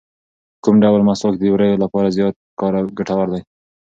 کوم ډول مسواک د ووریو لپاره زیات ګټور دی؟